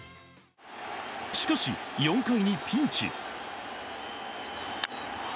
しかし、４回にピンチ。